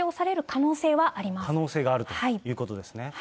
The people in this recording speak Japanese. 可能性があるということですね。